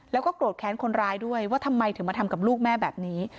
แล้วก็โกรธแค้นคนร้ายด้วยว่าทำไมถึงมาทำกับลูกแม่แบบนี้